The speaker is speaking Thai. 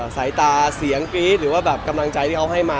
สายตากำลังใจที่เขาได้มา